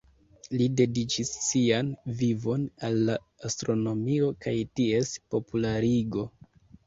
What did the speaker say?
Li dediĉis sian vivon al la astronomio kaj ties popularigo.